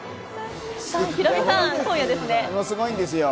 ヒロミさん、今夜ですね。